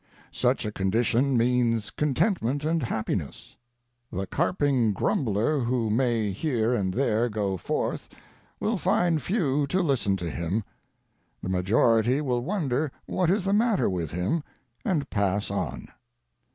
Such a condition means con tentment and happiness. The carping grumbler who may here and there go forth will find few to listen to him. The majority will wonder what is the matter with him and pass on."